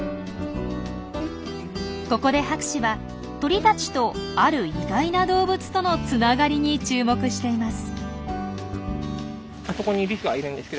ここで博士は鳥たちとある意外な動物とのつながりに注目しています。